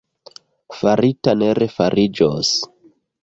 Farita ne refariĝos.